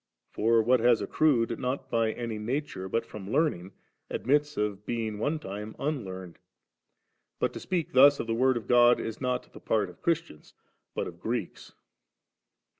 For what has accrued not by any nature, but from learning, admits of bemg one time unlearned. But to speak thus of the Word of God, is not the part of Christians but of Greeks.